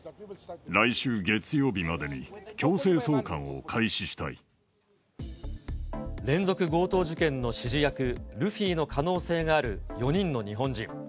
来週月曜日までに、連続強盗事件の指示役、ルフィの可能性がある４人の日本人。